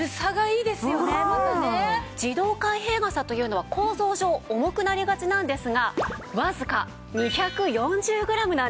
自動開閉傘というのは構造上重くなりがちなんですがわずか２４０グラムなんです。